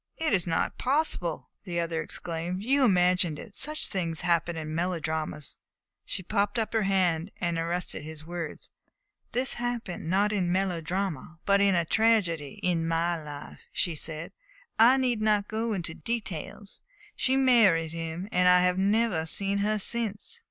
"It is not possible!" the other exclaimed. "You imagined it. Such things happen in melodramas " She put up her hand and arrested his words. "This happened not in a melodrama, but in a tragedy in my life," she said. "I need not go into details. She married him, and I have never seen her since."